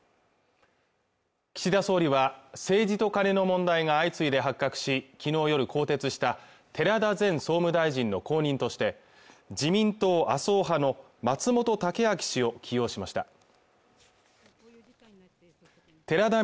岸田総理は政治とカネの問題が相次いで発覚し昨日夜更迭した寺田前総務大臣の後任として自民党麻生派の松本剛明氏を起用しました寺田稔